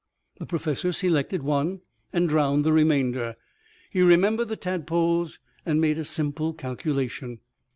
The professor selected one and drowned the remainder. He remembered the tadpoles and made a simple calculation.